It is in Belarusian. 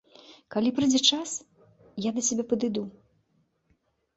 Калі прыйдзе час, я да цябе падыду.